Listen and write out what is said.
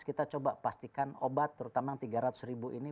kita coba pastikan obat terutama tiga ratus ini